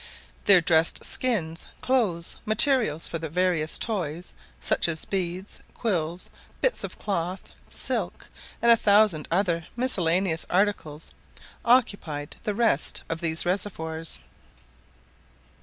Their dressed skins, clothes, materials for their various toys, such as beads, quills, bits of cloth, silk, with a thousand other miscellaneous articles, occupied the rest of these reservoirs.